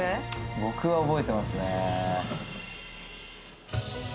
僕は覚えてますね。